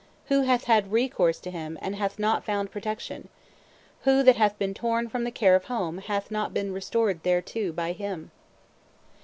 Who hath had recourse to him and hath not found protection? Who, that hath been torn from the care of home, hath not been restored thereto by him?